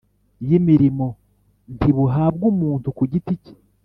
y’imirimo, ntibuhabwa umuntu ku giti ke;